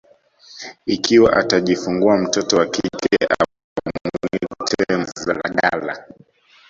ikiwa atajifungua mtoto wa kike amwite Mnganzagala